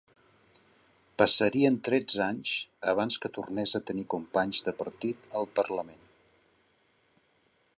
Passarien tretze anys abans que tornés a tenir companys de partit al Parlament.